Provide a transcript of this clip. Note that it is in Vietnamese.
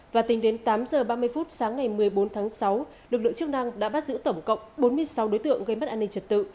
và tính đến tám h ba mươi phút sáng ngày một mươi bốn tháng sáu lực lượng chức năng đã bắt giữ tổng cộng bốn mươi sáu đối tượng gây mất an ninh trật tự